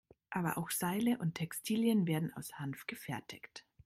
Aber auch Seile und Textilien werden aus Hanf gefertigt.